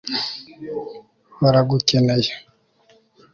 baragukeneye